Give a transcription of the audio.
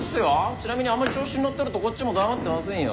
ちなみにあんま調子乗ってるとこっちも黙ってませんよ。